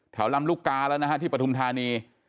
แถวลำอุ๊กอาแล้วนะครับที่ปฐุมธานี